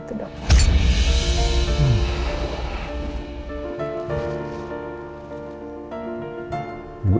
tidak tahu siapa